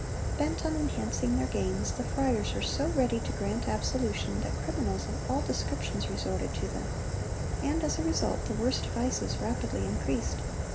Bent on enhancing their gains, the friars were so ready to grant absolution that criminals of all descriptions resorted to them, and as a result, the worst vices rapidly increased.